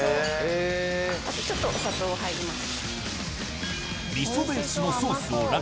あとちょっとお砂糖入ります。